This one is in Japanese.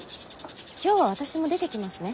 今日は私も出てきますね。